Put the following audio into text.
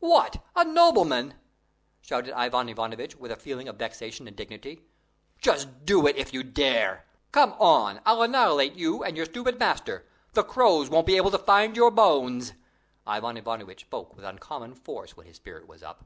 "What! a nobleman?" shouted Ivan Ivanovitch with a feeling of vexation and dignity. "Just do it if you dare! Come on! I'll annihilate you and your stupid master. The crows won't be able to find your bones." Ivan Ivanovitch spoke with uncommon force when his spirit was up.